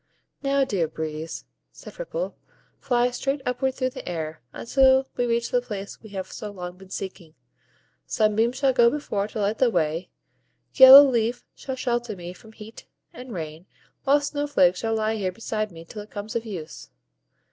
"Now, dear Breeze," said Ripple, "fly straight upward through the air, until we reach the place we have so long been seeking; Sunbeam shall go before to light the way, Yellow leaf shall shelter me from heat and rain, while Snow flake shall lie here beside me till it comes of use.